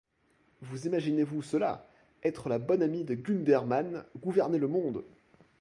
Vous imaginez-vous cela: être la bonne amie de Gundermann, gouverner le monde!